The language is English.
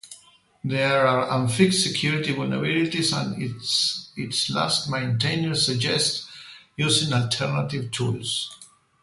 There are unfixed security vulnerabilities, and its last maintainers suggest using alternative tools.